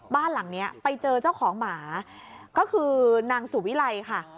บ้านหลังนี้ไปเจอเจ้าของหมาก็คือนางสุวิไลค่ะ